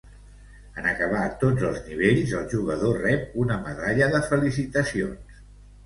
En acabar tots els nivells, el jugador rep una medalla de felicitacions.